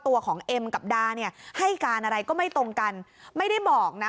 ตัวของเอ็มกับดาเนี่ยให้การอะไรก็ไม่ตรงกันไม่ได้บอกนะ